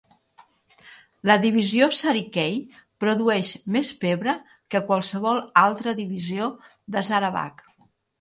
La divisió Sarikei produeix més pebre que qualsevol altra divisió de Sarawak.